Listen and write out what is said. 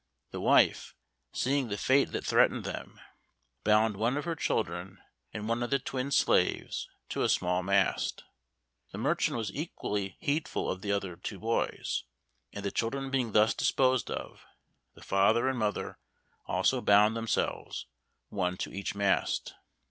The wife, seeing the fate that threatened them, bound one of her children and one of the twin slaves to a small mast; the merchant was equally heedful of the other two boys, and the children being thus disposed of, the father and mother also bound themselves one to each mast.